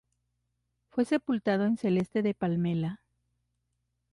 Fue sepultado en Celeste de Palmela.